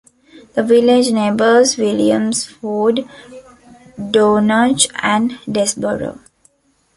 The village neighbours Williamsford, Dornoch, and Desboro.